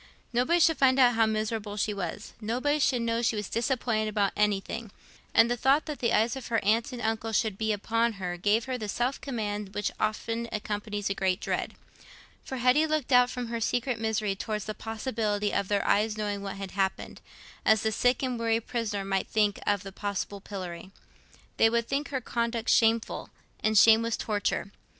Nobody should find out how miserable she was, nobody should know she was disappointed about anything; and the thought that the eyes of her aunt and uncle would be upon her gave her the self command which often accompanies a great dread. For Hetty looked out from her secret misery towards the possibility of their ever knowing what had happened, as the sick and weary prisoner might think of the possible pillory. They would think her conduct shameful, and shame was torture.